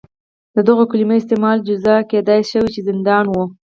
د دغو کلیمو استعمال جزا کېدای شوه چې زندان و.